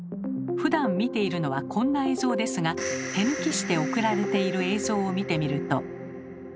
ふだん見ているのはこんな映像ですが手抜きして送られている映像を見てみると。